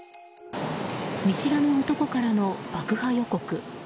見知らぬ男からの爆破予告。